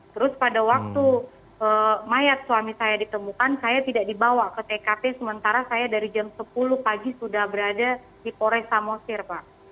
terus pada waktu mayat suami saya ditemukan saya tidak dibawa ke tkp sementara saya dari jam sepuluh pagi sudah berada di pores samosir pak